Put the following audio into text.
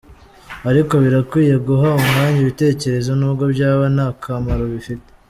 Ariko birakwiye guha umwanya ibitekerezo nubwo byaba nta kamaro bifite.